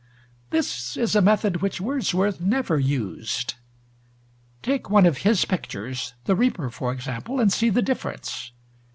This is a method which Wordsworth never used. Take one of his pictures, the 'Reaper' for example, and see the difference.